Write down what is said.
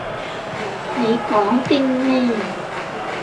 你講經咩？